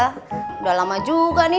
sudah lama juga nih